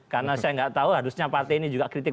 karena saya nggak tahu harusnya partai ini juga kritik